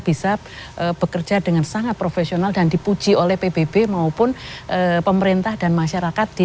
bisa bekerja dengan sangat profesional dan dipuji oleh pbb maupun pemerintah dan masyarakat di